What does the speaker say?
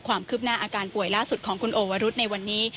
ความคืบหน้าอาการป่วยล่าสุดของคุณโอวรุษในวันนี้